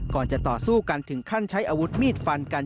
ก่อนจะต่อสู้กันถึงขั้นใช้อาวุธมีดฟันกัน